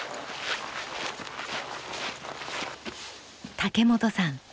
竹本さん